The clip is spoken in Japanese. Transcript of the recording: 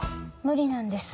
無理なんです。